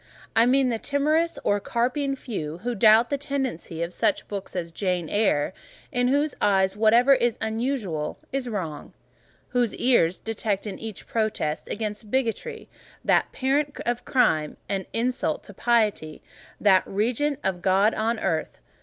I mean the timorous or carping few who doubt the tendency of such books as "Jane Eyre:" in whose eyes whatever is unusual is wrong; whose ears detect in each protest against bigotry—that parent of crime—an insult to piety, that regent of God on earth.